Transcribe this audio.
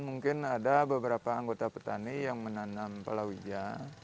mungkin ada beberapa anggota petani yang menanam palawija